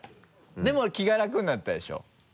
でも気が楽になったでしょ？